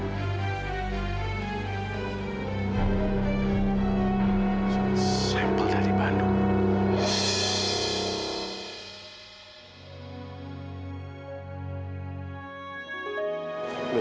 sampel dari bandung